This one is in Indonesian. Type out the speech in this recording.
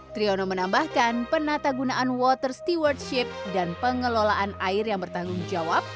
triono menambahkan penata gunaan water stewardship dan pengelolaan air yang bertanggung jawab